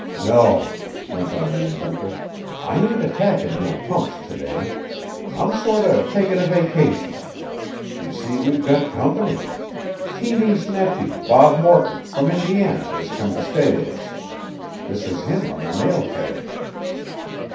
"No," went on the inventor, "I ain't attackin' no pumps to day. I'm sorter takin' a vacation. You see we've got company. Tiny's nephew, Bob Morton from Indiana, has come to stay with us. This is him on the nail keg."